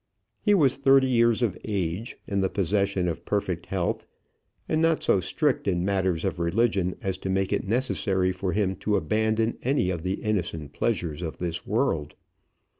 He was thirty years of age, in the possession of perfect health, and not so strict in matters of religion as to make it necessary for him to abandon any of the innocent pleasures of this world.